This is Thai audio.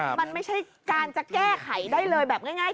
มันไม่ใช่การจะแก้ไขได้เลยแบบง่าย